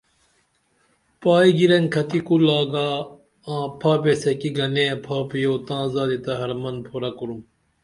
پائی گیرنکھتی کُل گا آں پھاپیسہ کی گنے پھاپیو تاں زادی تہ ہرمن پُھورہ کُروم